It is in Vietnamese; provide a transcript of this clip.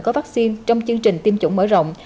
có vaccine trong chương trình tiêm chủng mở rộng